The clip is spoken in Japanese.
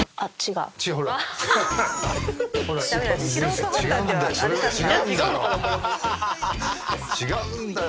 竜星違うんだよ。